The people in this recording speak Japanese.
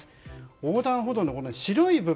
横断歩道の白い部分